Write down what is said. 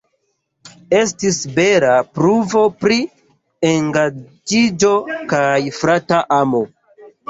Estis bela pruvo pri engaĝiĝo kaj frata amo.